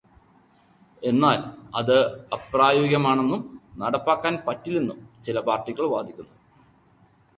എന്നാൽ അത് അപ്രായോഗികമാണെന്നും നടപ്പാക്കാൻ പറ്റില്ലെന്നും ചില പാർട്ടികൾ വാദിക്കുന്നു.